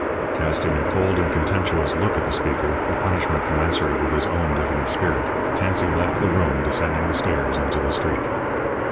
Casting a cold and contemptuous look at the speaker a punishment commensurate with his own diffident spirit Tansey left the room, descending the stairs into the street.